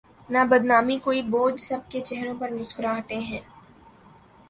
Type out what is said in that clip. نہ بدنامی کوئی بوجھ سب کے چہروں پر مسکراہٹیں ہیں۔